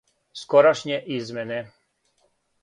Скорашње измене